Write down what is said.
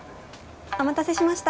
お待たせしました。